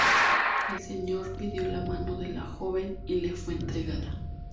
El señor pidió la mano de la joven y le fue entregada.